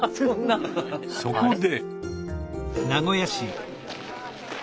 そこで。